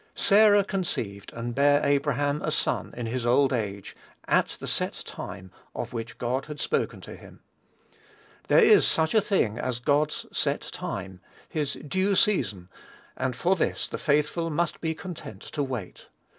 "Sarah conceived and bare Abraham a son in his old age, at the set time of which God had spoken to him." There is such a thing as God's "set time," his "due season," and for this the faithful must be content to wait.